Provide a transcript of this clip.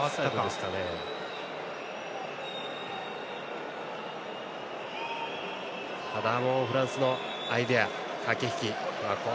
ただ、フランスのアイデア駆け引き。